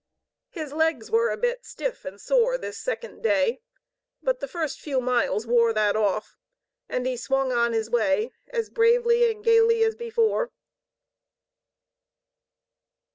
His legs were a bit stiff and sore this second day. But the first few miles wore that off, and he swung on his way as bravely and gayly as before.